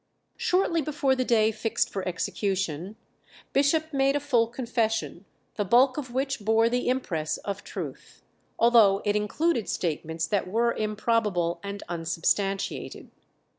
Shortly before the day fixed for execution, Bishop made a full confession, the bulk of which bore the impress of truth, although it included statements that were improbable and unsubstantiated.